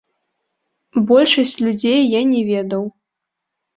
Большасць людзей я не ведаў.